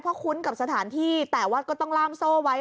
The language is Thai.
เพราะคุ้นกับสถานที่แต่วัดก็ต้องล่ามโซ่ไว้